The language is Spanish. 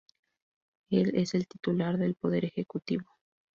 Él es el titular del poder ejecutivo.